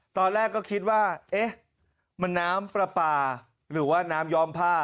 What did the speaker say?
ตอนแรกก็คิดว่าเอ๊ะมันน้ำปลาปลาหรือว่าน้ำย้อมผ้า